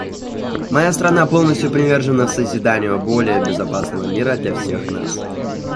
Моя страна полностью привержена созиданию более безопасного мира для всех нас.